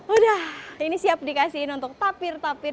udah ini siap dikasihin untuk tapir tapir